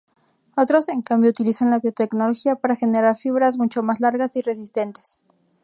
Otros, en cambio, utilizan la biotecnología para generar fibras mucho más largas y resistentes.